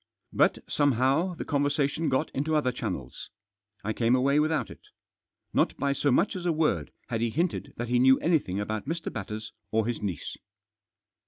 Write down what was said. But, somehow, the conver sation got into other channels. I came away without it. Not by so much as a word had he hinted that he knew anything about Mr. Batters or his niece.